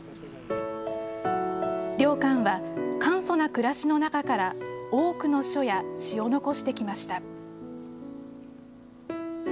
良寛は、簡素な暮らしの中から、多くの書や詩を残してきました。